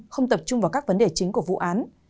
không tập trung vào các vấn đề chính của vụ án